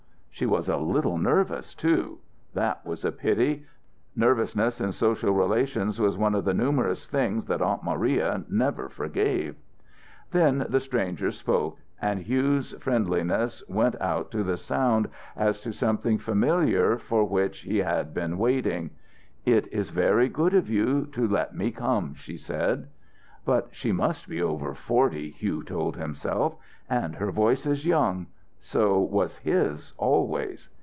She was a little nervous, too. That was a pity. Nervousness in social relations was one of the numerous things that Aunt Maria never forgave. Then the stranger spoke, and Hugh's friendliness went out to the sound as to something familiar for which he had been waiting. "It is very good of you to let me come," she said. "But she must be over forty," Hugh told himself, "and her voice is young. So was his always."